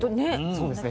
そうですね。